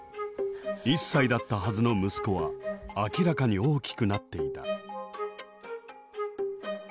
１歳だったはずの息子は明らかに大きくなっていた。